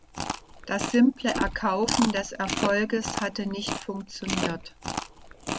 Das simple Erkaufen des Erfolges hatte nicht funktioniert.